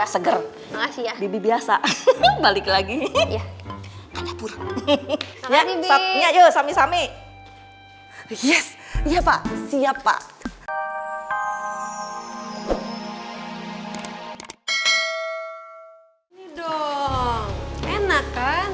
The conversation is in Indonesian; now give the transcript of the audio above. anggur gak berantem